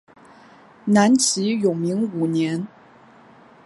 南齐永明五年。